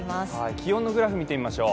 気温のグラフ見てみましょう。